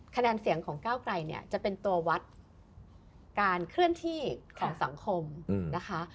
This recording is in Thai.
คะแนนเสียงของก้าวไกลเนี่ยจะเป็นตัววัดการเคลื่อนที่ของสังคมนะคะ